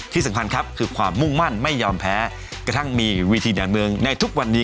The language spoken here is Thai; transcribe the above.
ที่สำคัญครับคือความมุ่งมั่นไม่ยอมแพ้กระทั่งมีวิธีด่านเมืองในทุกวันนี้